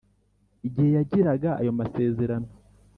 igihe yagiraga ayo masezerano